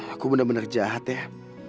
aku bener bener jahat ya